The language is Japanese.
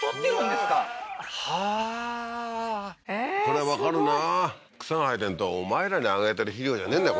すごいこれわかるな草が生えてるとお前らにあげてる肥料じゃねえんだよ